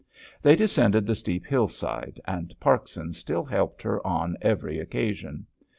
They descended the steep hillside, and Parkson still helped her on every occasion.